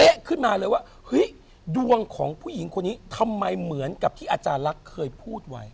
ขึ้นมาเลยว่าเฮ้ยดวงของผู้หญิงคนนี้ทำไมเหมือนกับที่อาจารย์ลักษณ์เคยพูดไว้